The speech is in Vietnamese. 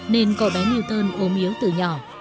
nên cậu bé newton ốm yếu từ nhỏ